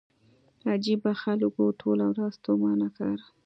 عجيبه خلک وو ټوله ورځ ستومانه کار.